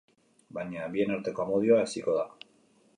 Baina, bien arteko amodioa haziko da.